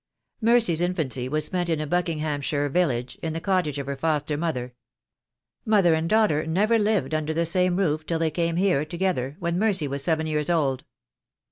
Mercy's infancy was spent in a Buckinghamshire village, in the cottage of her foster mother. Mother and daughter never lived under the same roof till they came here together, when Mercy was seven years old."